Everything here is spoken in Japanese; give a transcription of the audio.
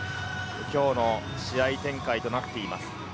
今日の試合展開となっています。